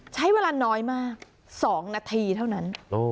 ใช้เวลาน้อยมาก๒นาทีเท่านั้น